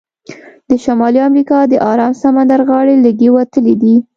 د شمالي امریکا د ارام سمندر غاړې لږې وتلې دي.